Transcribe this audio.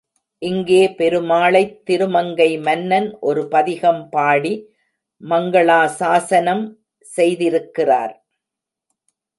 இங்கே பெருமாளைத் திருமங்கை மன்னன் ஒரு பதிகம் பாடி மங்களாசாஸனம் செய்திருக்கிறார்.